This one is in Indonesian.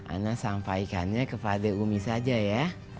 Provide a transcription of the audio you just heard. ana sampaikannya kepada umi saja ya